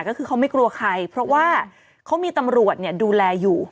ก็คือเขาไม่กลัวใครเพราะว่าเขามีตำรวจดูแลอยู่